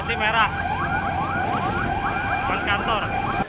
situasi merah buat kantor